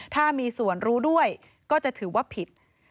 ถ้ามีส่วนรู้ด้วยก็จะถือว่าผิด